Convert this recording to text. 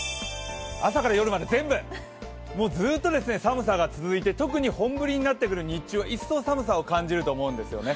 朝から夜まで全部、もうずっと寒さが続いて特に本降りになってくる日中は一層寒さを感じると思うんですね。